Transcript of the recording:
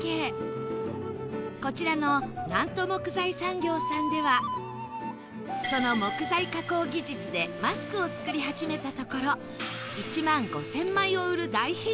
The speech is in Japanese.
こちらの南都木材産業さんではその木材加工技術でマスクを作り始めたところ１万５０００枚を売る大ヒットに